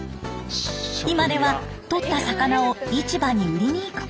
今では取った魚を市場に売りに行くことも。